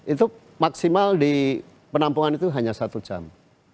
itu maksimal di penampungan itu hanya satu jam